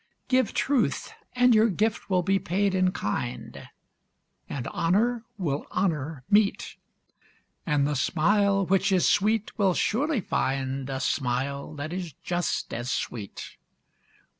Give truth, and your gifts will be paid in kind, And song a song will meet; And the smile which is sweet will surely find A smile that is just as sweet.